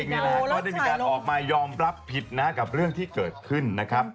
มันก็ได้ออกไว้มยอมรับผิดกับเรื่องที่เกิดขึ้น